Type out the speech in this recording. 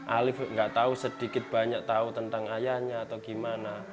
alif nggak tahu sedikit banyak tahu tentang ayahnya atau gimana